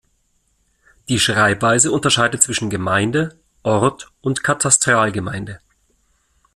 Die Schreibweise unterscheidet zwischen Gemeinde, Ort und Katastralgemeinde.